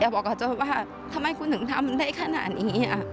อยากบอกกับเจ้าว่าทำไมคุณถึงทำได้ขนาดนี้อ่ะ